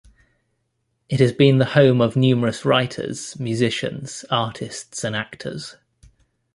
It has been the home of numerous writers, musicians, artists and actors.